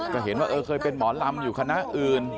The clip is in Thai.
จะเห็นว่าเออเคยเป็นหมอลำอยู่คณะอื่น